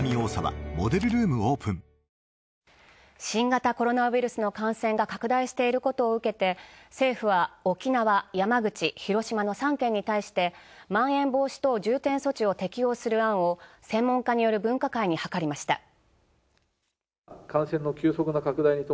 新型コロナウイルスの感染が拡大していることを受けて政府は沖縄、山口、広島の３県に対してまん延防止等重点措置を適応する案を専門家による分科会に諮りました。